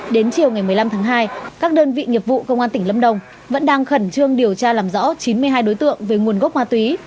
đến chiều ngày một mươi năm tháng hai các đơn vị nghiệp vụ công an tỉnh lâm đồng vẫn đang khẩn trương điều tra làm rõ chín mươi hai đối tượng về nguồn gốc ma túy